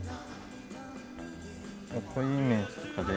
こういうイメージとかで。